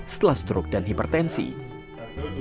setelah stroke dan hiperglycemia